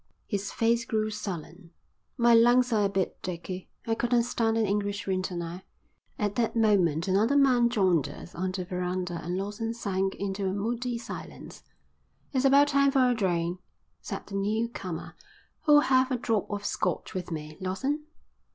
His face grew sullen. "My lungs are a bit dicky. I couldn't stand an English winter now." At that moment another man joined us on the verandah and Lawson sank into a moody silence. "It's about time for a drain," said the new comer. "Who'll have a drop of Scotch with me? Lawson?"